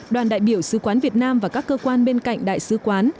đoàn đại biểu sứ quán việt nam và các cơ quan bên cạnh đại sứ quán